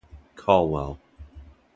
Colwell.